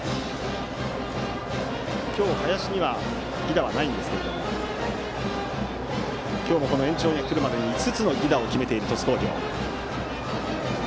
今日、林には犠打はないんですが今日も延長が来るまでに５つの犠打を決めている鳥栖工業。